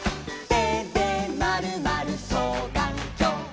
「てでまるまるそうがんきょう」